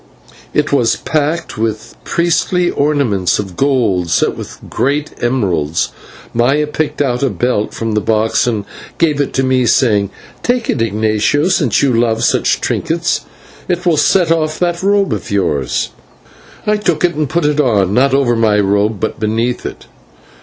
It was packed with priestly ornaments of gold, set with great emeralds. Maya picked out a belt from the box and gave it to me, saying: "Take it, Ignatio, since you love such trinkets. It will set off that robe of yours." I took it and put it on, not over my robe, but beneath it.